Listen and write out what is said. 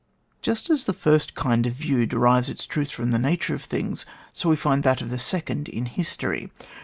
Just as the first kind of view derives its truth from the nature of things, so we find that of the second in history.